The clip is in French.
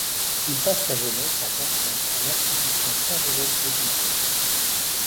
Il passe sa jeunesse en pension à l'Institution Saint-Joseph d'Épinal.